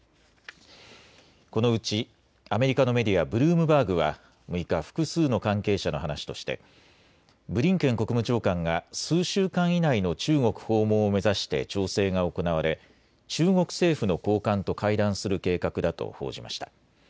このうちアメリカのメディア、ブルームバーグは６日、複数の関係者の話としてブリンケン国務長官が数週間以内の中国訪問を目指して調整が行われ中国政府の高官と会談する計画だと報じました。